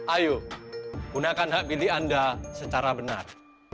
ayo gunakan hak pilih anda secara benar